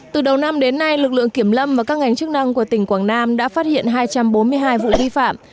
từ đầu năm đến nay lực lượng kiểm lâm và các ngành chức năng của tỉnh quảng nam đã phát hiện hai trăm bốn mươi hai vụ vi phạm